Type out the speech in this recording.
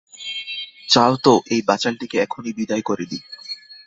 চাও তো, এই বাচালটিকে এখনই বিদায় করে দিই।